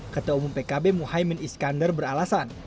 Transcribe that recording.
ketua umum pkb muhaymin iskandar beralasan